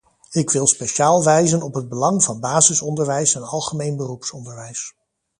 Ik wil speciaal wijzen op het belang van basisonderwijs en algemeen beroepsonderwijs.